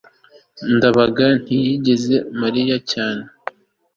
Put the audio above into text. ndabaga ntiyizeye mariya cyane